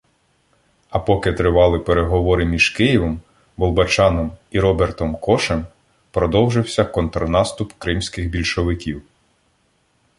А поки тривали переговори між Києвом, Болбочаном і Робертом Кошем, продовжився контрнаступ кримських більшовиків.